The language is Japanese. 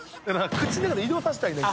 口の中で移動させたいねん。